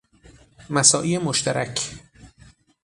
مساعی مشترک